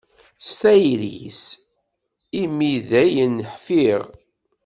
S tayri-s i mi dayen ḥfiɣ.